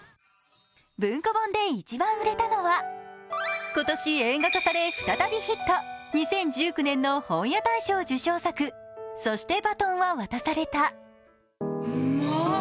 文庫本で１番売れたのは今年映画化され再びヒット２０１９年の本屋大賞受賞作、「そして、バトンは渡された」。